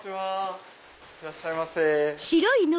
いらっしゃいませ。